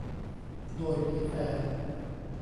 โดยมีแฟน